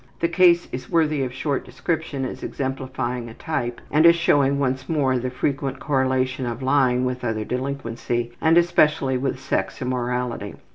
The case is worthy of short description as exemplifying a type and as showing once more the frequent correlation of lying with other delinquency, and especially with sex immorality.